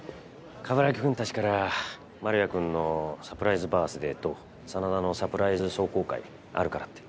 鏑木くんたちから丸谷くんのサプライズバースデーと真田のサプライズ壮行会あるからって。